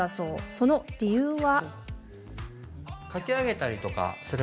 その理由は。